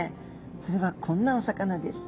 それはこんなお魚です。